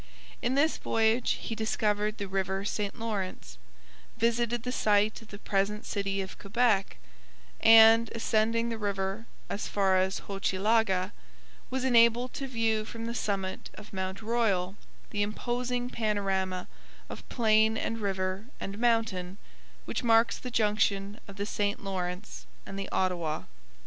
In this voyage he discovered the river St Lawrence, visited the site of the present city of Quebec, and, ascending the river as far as Hochelaga, was enabled to view from the summit of Mount Royal the imposing panorama of plain and river and mountain which marks the junction of the St Lawrence and the Ottawa.